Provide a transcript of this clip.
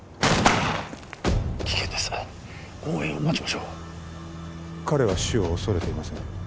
危険です応援を待ちましょう彼は死を恐れていません